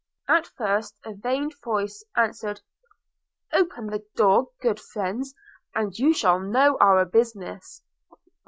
At first a feigned voice answered, 'Open the door, good friends, and you shall know our business.'